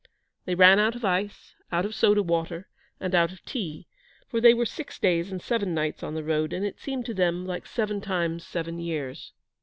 They ran out of ice, out of soda water, and out of tea; for they were six days and seven nights on the road, and it seemed to them like seven times seven years.